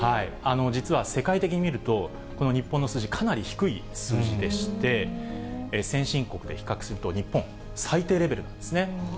実は世界的に見ると、この日本の数字、かなり低い数字でして、先進国で比較すると、日本、最低レベルなんですね。